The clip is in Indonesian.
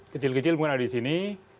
kecil kecil mungkin ada di sini